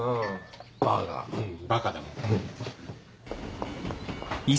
バカだもん。